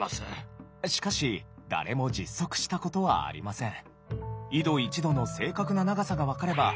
しかし誰も実測したことはありません。